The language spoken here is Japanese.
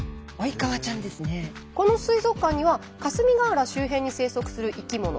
この水族館には霞ヶ浦周辺に生息する生き物